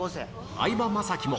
相葉雅紀も。